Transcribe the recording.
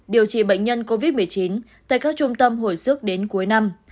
điều trị bệnh nhân covid một mươi chín tại các trung tâm hồi sức đến cuối năm